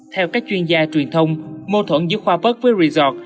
theo các chuyên gia truyền thông mô thuẫn giữa khoa bắc với resort